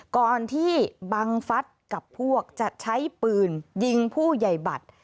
ก่อนที่บังฟัฐกับพวกจะใช้ปืนยิงผู้ใหญ่บัตร